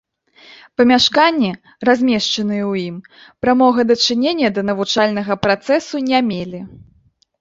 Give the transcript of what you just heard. Памяшканні, размешчаныя ў ім, прамога дачынення да навучальнага працэсу не мелі.